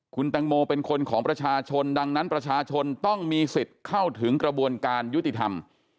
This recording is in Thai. คุณแตงโมเป็นคนของประชาชนดังนั้นประชาชนต้องมีสิทธิ์เข้าถึงกระบวนการยุติธรรม